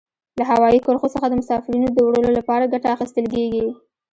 له هوایي کرښو څخه د مسافرینو د وړلو لپاره ګټه اخیستل کیږي.